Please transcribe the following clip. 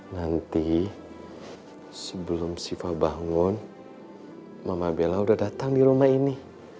nanti sebelum siva bangun mama bella sudah datang di rumah ini